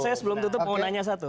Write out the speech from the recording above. saya sebelum tutup mau nanya satu